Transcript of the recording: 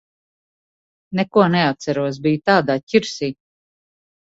Neko neatceros. Biju tādā ķirsī.